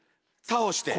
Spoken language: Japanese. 倒して。